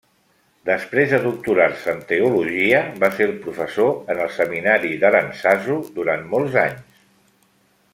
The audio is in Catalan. Després de doctorar-se en teologia, va ser professor en el seminari d'Arantzazu durant molts anys.